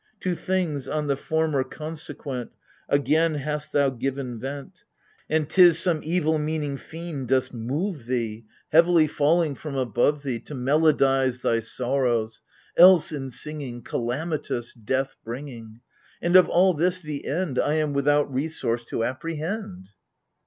To things, on the former consequent, Again hast thou given vent : And 't is some evil meaning fiend doth move thee. AGAMEMNON, 99 Heavily falling from above thee, To melodize thy sorrows — else, in singing. Calamitous, death bringing ! And of all this the end I am without resource to apprehend.